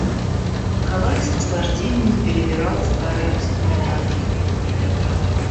Николай с наслаждением перебирал старые воспоминания.